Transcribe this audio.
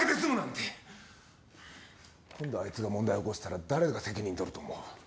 今度あいつが問題起こしたら誰が責任取ると思う？